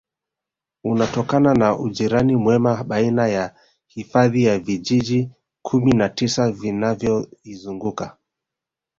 Unatokana na ujirani mwema baina ya hifadhi na vijiji kumi na tisa vinavyoizunguka